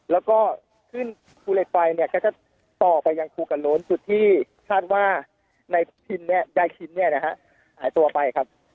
แล้วก็ขึ้นภูเหล็กไฟเนี่ยก็จะต่อไปยังถูกกับโรนจุดที่คาดว่าในทินเนี่ยใดทินเนี่ยนะครับหายตัวไปครับ